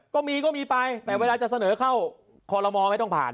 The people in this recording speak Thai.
ก็มีก็มีไปแต่เวลาจะเสนอเข้าคอลโลมอลไม่ต้องผ่าน